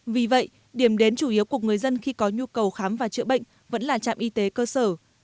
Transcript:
vì vậy điểm đến chủ yếu của người dân khi có nhu cầu khám và chữa bệnh vẫn là trạm y tế cơ sở